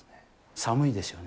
寒いですよね、